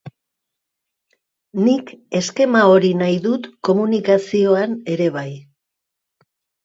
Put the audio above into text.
Nik eskema hori nahi dut komunikazioan ere bai.